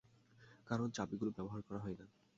কারণ চাবিগুলি ব্যবহার করা হয় না।